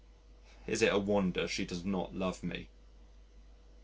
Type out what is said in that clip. Is it a wonder she does not love me?